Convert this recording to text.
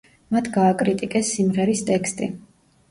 მათ გააკრიტიკეს სიმღერის ტექსტი.